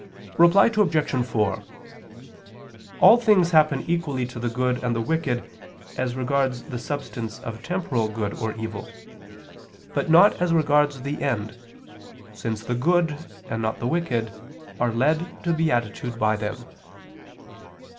Reply Obj. 4: All things happen equally to the good and the wicked, as regards the substance of temporal good or evil; but not as regards the end, since the good and not the wicked are led to beatitude by them.